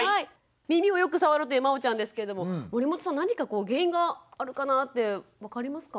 耳をよく触るというまおちゃんですけれども守本さん何か原因があるかなぁって分かりますか？